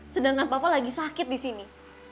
sedangkan papa lagi sakit di sini